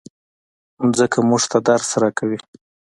مځکه موږ ته درس راکوي.